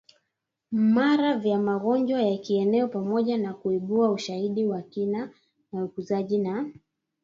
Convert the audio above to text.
mara vya magonjwa ya kieneo pamoja na kuibua ushahidi wa kina wa uzukaji na